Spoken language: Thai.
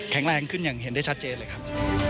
แรงขึ้นอย่างเห็นได้ชัดเจนเลยครับ